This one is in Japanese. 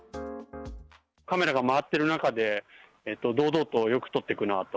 カメラが回っている中で、堂々とよくとってくなと。